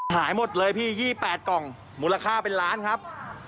หายหมดเลยพี่๒๘กล่องมูลค่าเป็นล้านครับ